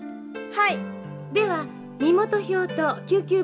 はい。